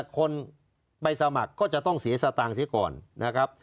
คนไปสมัครก็จะต้องเสียสตางค์เสียก่อนนะครับ